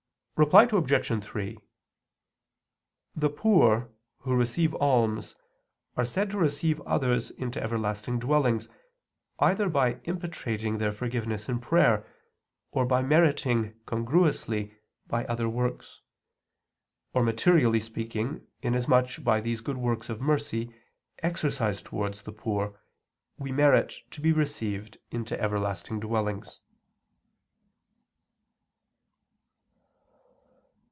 Reply Obj. 3: The poor who receive alms are said to receive others into everlasting dwellings, either by impetrating their forgiveness in prayer, or by meriting congruously by other good works, or materially speaking, inasmuch as by these good works of mercy, exercised towards the poor, we merit to be received into everlasting dwellings.